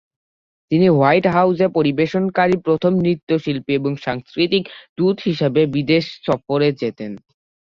তিনি হোয়াইট হাউজে পরিবেশনকারী প্রথম নৃত্যশিল্পী এবং সাংস্কৃতিক দূত হিসেবে বিদেশ সফরে যেতেন।